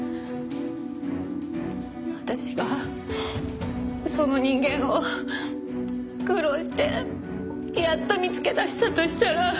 私がその人間を苦労してやっと見つけ出したとしたら。